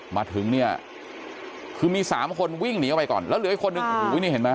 มาถึงเนี่ยคือมีสามคนวิ่งหนีออกไปก่อนแล้วเหลืออีกคนนึงโอ้โหนี่เห็นไหม